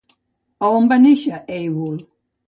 A on va néixer Eubul?